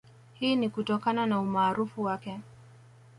Hii ni kutokana na umaarufu wake